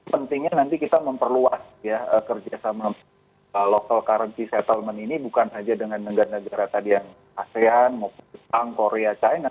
pentingnya nanti kita memperluas ya kerjasama local currency settlement ini bukan saja dengan negara negara tadi yang asean maupun jepang korea china